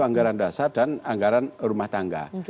anggaran dasar dan anggaran rumah tangga